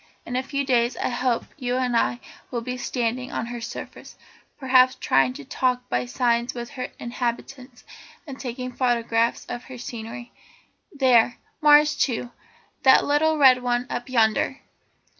In a few days I hope you and I will be standing on her surface, perhaps trying to talk by signs with her inhabitants, and taking photographs of her scenery. There's Mars too, that little red one up yonder.